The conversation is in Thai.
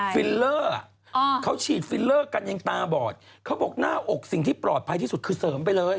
ฟิลเลอร์เขาฉีดฟิลเลอร์กันยังตาบอดเขาบอกหน้าอกสิ่งที่ปลอดภัยที่สุดคือเสริมไปเลย